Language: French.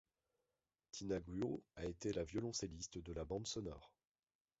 Tina Guo a été la violoncelliste de la bande sonore.